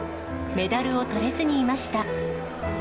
メダルをとれずにいました。